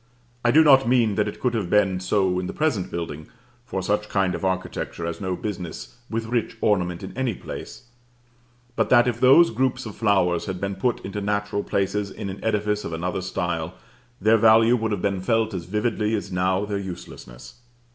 I do not mean that it could have been so in the present building, for such kind of architecture has no business with rich ornament in any place; but that if those groups of flowers had been put into natural places in an edifice of another style, their value would have been felt as vividly as now their uselessness.